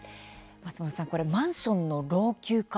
松本さん、マンションの老朽化